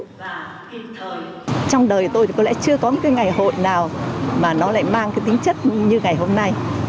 trong đời tôi có lẽ chưa có một ngày hội nào mà nó lại mang tính chất như ngày hôm nay